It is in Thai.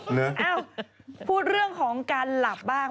เอ้าพูดเรื่องของการหลับบ้าง